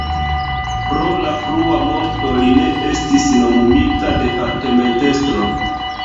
Pro la frua morto li ne estis nomumita departementestro.